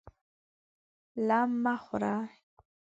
لم مه خورئ!